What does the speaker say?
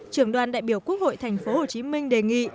trưởng đoàn đại biểu quốc hội tp hcm đề nghị